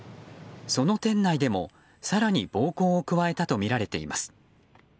その店内でも更に暴行を加えたとみられています。